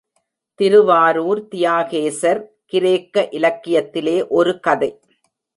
திருவாரூர் தியாகேசர் கிரேக்க இலக்கியத்திலே ஒரு கதை.